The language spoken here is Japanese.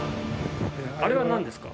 あれはなんですか？